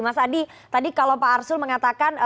mas adi tadi kalau pak arsul mengatakan